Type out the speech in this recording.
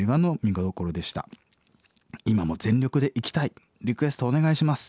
今も全力でいきたいリクエストお願いします」。